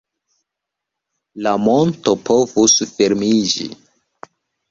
La monto povus fermiĝi.